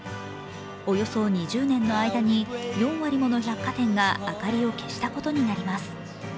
およそ２０年の間に４割もの百貨店が明かりを消したことになります。